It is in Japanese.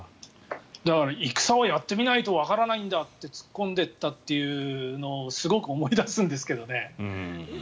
だから、戦はやってみないとわからないんだって突っ込んでいったというのをすごく思い出すんですけどね。